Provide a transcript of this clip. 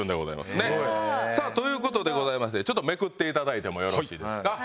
さあという事でございましてちょっとめくって頂いてもよろしいですか？